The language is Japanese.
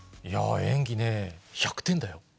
演技ね、１００点だよ。